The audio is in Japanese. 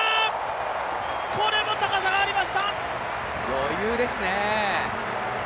余裕ですね。